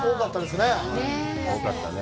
よかったね。